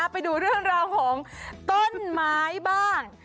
ไปดูเรื่องราวของต้นไม้บ้าง